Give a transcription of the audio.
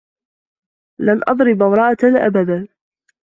لن أضرب امرأة أبدا.